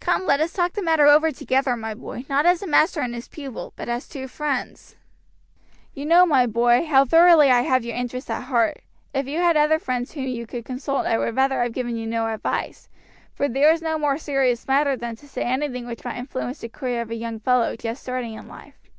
Come let us talk the matter over together, my boy, not as a master and his pupil, but as two friends. "You know, my boy, how thoroughly I have your interest at heart. If you had other friends whom you could consult I would rather have given you no advice, for there is no more serious matter than to say anything which might influence the career of a young fellow just starting in life.